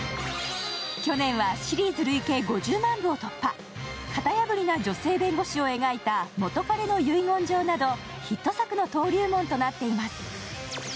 去年はシリーズ累計５０万部を突破、型破りな女性弁護士を描いた「元彼の遺言状」などヒット作の登竜門となっています。